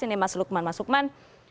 ini mas lukman mas lukman